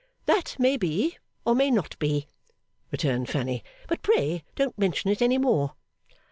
'That may be, or may not be,' returned Fanny, 'but pray don't mention it any more.